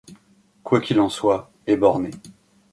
Quoi qu'il en soit, et borné.